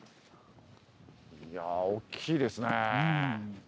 いや大きいですねぇ。